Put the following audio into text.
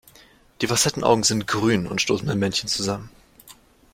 Die Facettenaugen sind grün und stoßen beim Männchen zusammen.